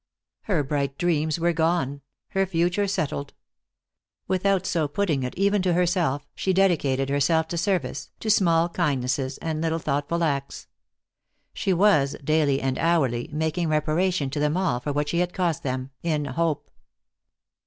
Her bright dreams were gone, her future settled. Without so putting it, even to herself, she dedicated herself to service, to small kindnesses, and little thoughtful acts. She was, daily and hourly, making reparation to them all for what she had cost them, in hope.